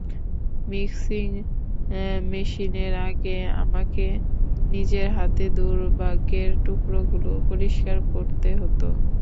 Mixing মেশিনের আগে, আমাকে নিজের হাতে দুর্ভাগ্যের টুকরোগুলো পরিষ্কার করতে হতো।